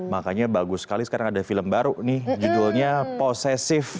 makanya bagus sekali sekarang ada film baru nih judulnya posesif